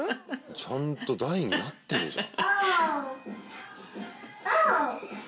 ちゃんと台になってるじゃん。